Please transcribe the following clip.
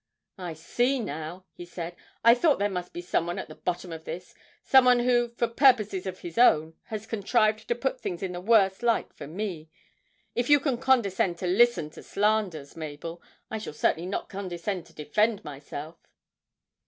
'I see now,' he said; 'I thought there must be someone at the bottom of this; someone who, for purposes of his own, has contrived to put things in the worst light for me. If you can condescend to listen to slanderers, Mabel, I shall certainly not condescend to defend myself.'